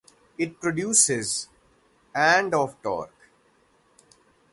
It produces and of torque.